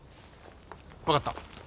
わかった。